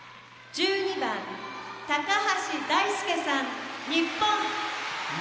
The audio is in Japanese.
「１２番橋大輔さん日本」。